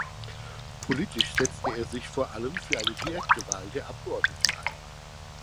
Politisch setzte er sich vor allem für eine direkte Wahl der Abgeordneten ein.